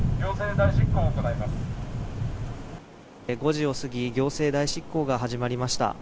５時を過ぎ行政代執行が始まりました。